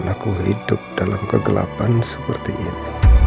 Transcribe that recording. aku hidup dalam kegelapan seperti ini